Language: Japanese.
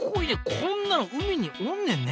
こんなの海におんねんね！